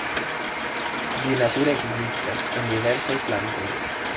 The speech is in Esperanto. Ĝi nature ekzistas en diversaj plantoj.